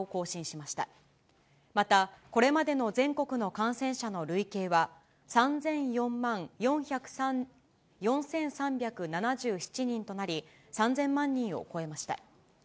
また、これまでの全国の感染者の累計は３００４万４３７７人となり、３０００万人を超えました。